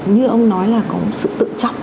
như ông nói là có sự tự trọng